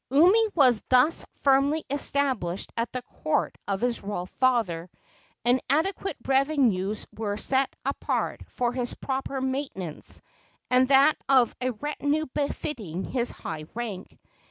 Umi was thus firmly established at the court of his royal father, and adequate revenues were set apart for his proper maintenance and that of a retinue befitting his high rank.